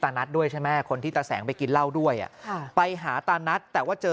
นัทด้วยใช่ไหมคนที่ตาแสงไปกินเหล้าด้วยอ่ะค่ะไปหาตานัทแต่ว่าเจอ